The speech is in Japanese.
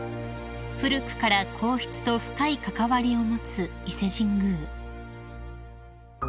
古くから皇室と深い関わりを持つ伊勢神宮］